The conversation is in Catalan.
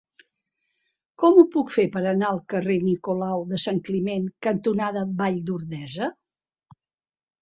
Com ho puc fer per anar al carrer Nicolau de Sant Climent cantonada Vall d'Ordesa?